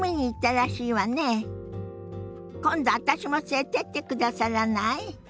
今度私も連れてってくださらない？